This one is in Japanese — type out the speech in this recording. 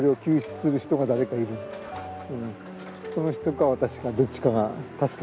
その人か私かどっちかが助けてあげてる。